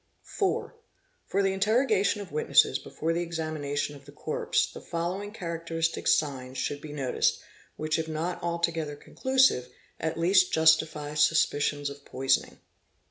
4. For the interrogation of witnesses before the examination of the corpse the following characteristic signs should be noticed, which if not altogether conclusive at least justify suspicions of poisoning.